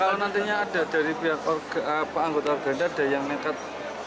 kalau nantinya ada dari pihak anggota organda ada yang nekat